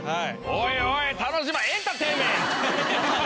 おいおい楽しま。